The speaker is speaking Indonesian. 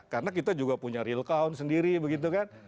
karena kita juga punya real count sendiri begitu kan